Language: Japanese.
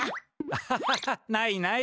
アハハハないない。